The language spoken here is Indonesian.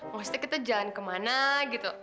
maksudnya kita jalan kemana gitu